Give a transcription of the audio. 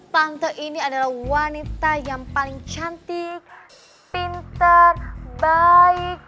tante ini adalah wanita yang paling cantik pintar baik